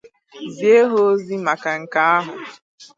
zie ha ozi maka nke ahụ